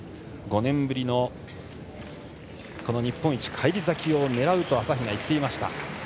５年ぶりの日本一返り咲きを狙うと朝比奈、言っていました。